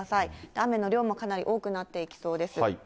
雨の量もかなり多くなっていきそうです。